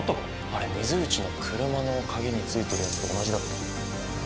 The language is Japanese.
あれ水口の車の鍵についてるやつと同じだった。